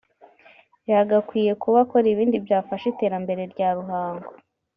yagakwiye kuba akora ibindi byafasha iterambere rya ruhago